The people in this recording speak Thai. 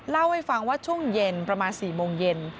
เล่าให้ฟังว่าช่วงเย็นประมาณ๔โมงเย็น